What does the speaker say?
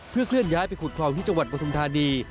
เพื่อเคลื่อนย้ายไปขุดคลองที่จังหวัดปฐุมธานี